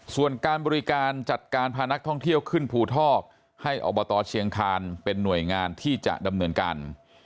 ส่วนการบริการจัดการพานักท่องเที่ยวขึ้นภูทอกให้อบตเชียงคานเป็นหน่วยงานที่จะดำเนินการ